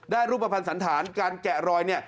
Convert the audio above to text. ได้รูปภัณฑ์สันฐานการแกะรอยนี่